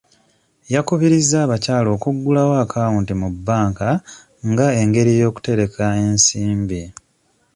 Yakubirizza abakyala okuggulawo akawunti mu bbanka nga engeri y'okutereka ensimbi.